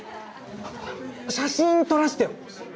写真撮らせてよ！